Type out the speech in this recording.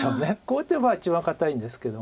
こう打てば一番堅いんですけども。